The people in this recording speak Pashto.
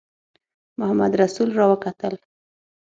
محمدرسول را وکتل.